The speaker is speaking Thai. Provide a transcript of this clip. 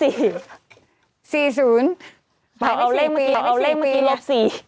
หายไป๔ปีหายไป๔ปีเอาเลขเมื่อกี้ลบ๔